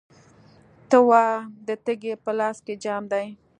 ته وا، د تږي په لاس کې جام دی